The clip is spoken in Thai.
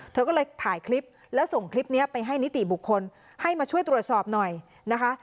เธอก็เลยถ่ายคลิปแล้วส่งคลิปนี้ไปให้นิติบุคคลให้มาช่วยตรวจสอบหน่อยนะคะ